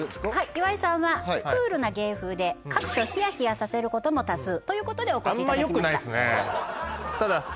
岩井さんはクールな芸風で各所冷や冷やさせることも多数ということでお越しいただきましたあんまよくないっすね